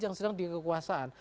yang sedang di kekuasaan